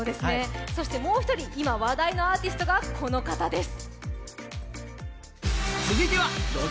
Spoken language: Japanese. そしてもう一人、今話題のアーティストがこの方です。